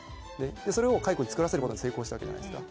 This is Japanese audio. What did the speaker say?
それをカイコに作らせることに成功したわけじゃないですか。